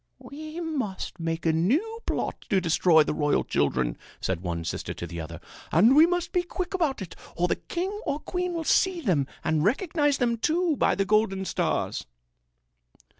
"We must make a new plot to destroy the royal children," said one sister to the other. "And we must be quick about it or the king or queen will see them and recognize them, too, by the golden stars."